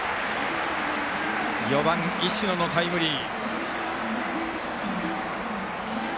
４番、石野のタイムリー。